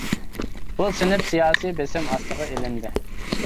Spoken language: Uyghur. بۇ سىنىپ سىياسىي بېسىم ئاستىغا ئېلىندى.